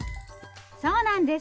そうなんです。